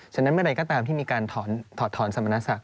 ฉะนั้นเมื่อไรก็ตามที่มีการถอดถอนสรรพนักศักดิ์